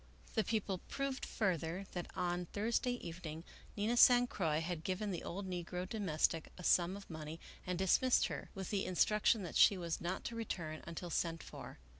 The People proved further, that on Thursday evening Nina San Croix had given the old negro domestic a sum of money and dismissed her, with the instruction that she was not to return until sent for.